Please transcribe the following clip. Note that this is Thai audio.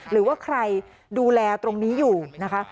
หรือว่าใครดูแลตรงนี้อยู่นะคะ